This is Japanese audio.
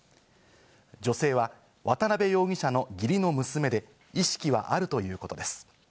女性は渡辺容疑者の義理の娘で、意識はあるということです。